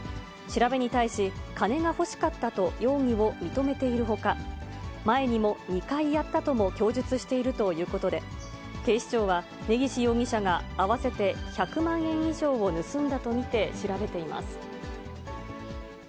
調べに対し、金が欲しかったと、容疑を認めているほか、前にも２回やったとも供述しているということで、警視庁は、根岸容疑者が合わせて１００万円以上を盗んだと見て調べています。